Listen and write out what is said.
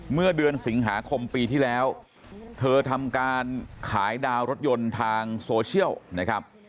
เมื่อเดือนสิงหาคมปีที่แล้วเธอทำการขายดาวรถยนต์ทางโซเชียลนะครับ